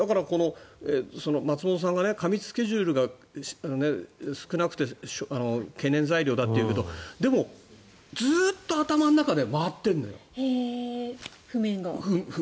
松本さんが過密スケジュールが少なくて、懸念材料だと言うけどでも、ずっと頭の中で回っているのよ譜面が。